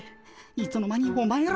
いつの間にお前ら。